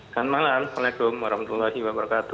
selamat malam assalamualaikum warahmatullahi wabarakatuh